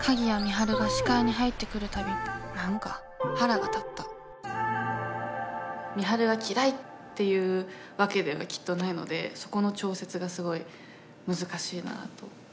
鍵谷美晴が視界に入ってくるたび何か腹が立った美晴が嫌いっていうわけではきっとないのでそこの調節がすごい難しいなと。